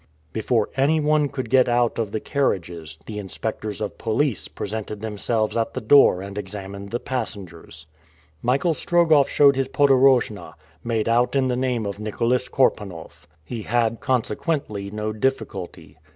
Before anyone could get out of the carriages, the inspectors of police presented themselves at the doors and examined the passengers. Michael Strogoff showed his podorojna, made out in the name of Nicholas Korpanoff. He had consequently no difficulty.